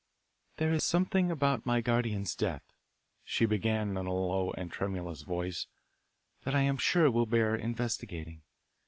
"There is something about my guardian's death," she began in a low and tremulous voice, "that I am sure will bear investigating.